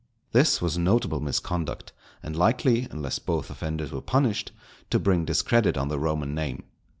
This was notable misconduct, and likely, unless both offenders were punished, to bring discredit on the Roman name.